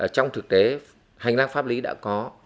trong thực tế hành lang pháp lý đã có